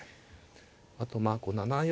あとまあ７四